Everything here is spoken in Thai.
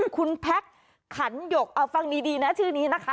คุณแพ็คขันหยกเอาฟังดีนะชื่อนี้นะคะ